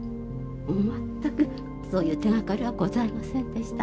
全くそういう手がかりはございませんでした。